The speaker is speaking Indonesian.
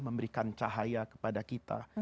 memberikan cahaya kepada kita